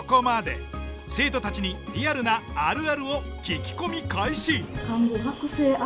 生徒たちにリアルなあるあるを聞き込み開始。